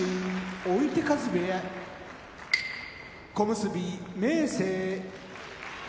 追手風部屋小結・明生